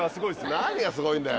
何がすごいんだよ？